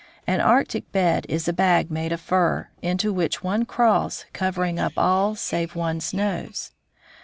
An Arctic bed is a bag made of fur, into which one crawls, covering up all save one's nose.